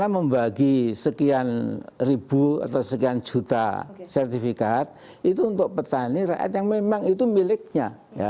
membagi sekian ribu atau sekian juta sertifikat itu untuk petani rakyat yang memang itu miliknya